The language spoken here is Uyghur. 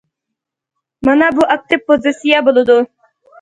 مانا بۇ ئاكتىپ پوزىتسىيە بولىدۇ.